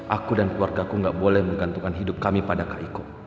aku dan keluarga aku gak boleh menggantungkan hidup kami pada kak iko